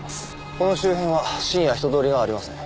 この周辺は深夜人通りがありません。